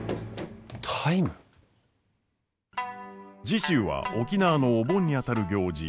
次週は沖縄のお盆にあたる行事